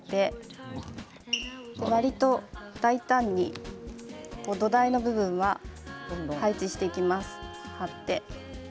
押さえつけて、わりと大胆に土台の部分は配置していきます。